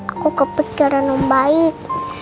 aku kepikiran om baik